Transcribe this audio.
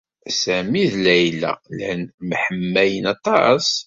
Sami d Layla llan mḥemmalen aṭas.